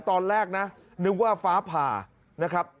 ตอนแรกนะนึกว่าฟ้าผ่านะครับ